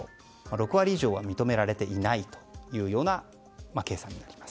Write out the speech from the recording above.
６割以上は認められていないというような計算になります。